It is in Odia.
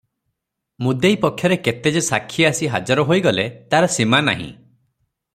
ମୁଦେଇ ପକ୍ଷରେ କେତେ ଯେ ସାକ୍ଷୀ ଆସି ହାଜର ହୋଇଗଲେ ତାର ସୀମା ନାହିଁ ।